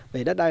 về đất đai này